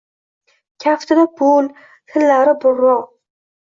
Kaftida pul, tillari burro.